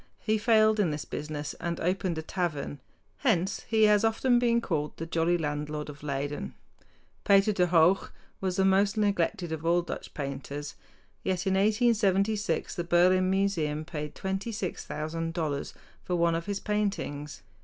He failed in this business and opened a tavern. Hence he has often been called "the jolly landlord of Leyden." Pieter de Hooch was the most neglected of all Dutch painters; yet in 1876 the Berlin Museum paid $26,000 for one of his paintings.